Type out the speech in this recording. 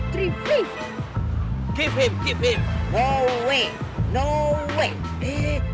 tiduk ya nih